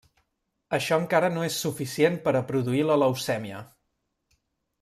Això encara no és suficient per a produir la leucèmia.